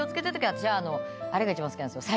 私はあれが一番好きなんですよ。